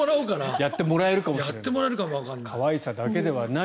やってもらえるかもしれない。